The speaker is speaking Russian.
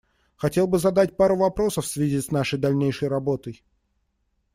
Хотел бы задать пару вопросов в связи с нашей дальнейшей работой.